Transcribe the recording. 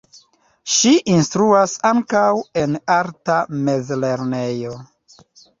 Ŝi instruas ankaŭ en arta mezlernejo.